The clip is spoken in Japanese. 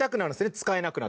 使えなくなって。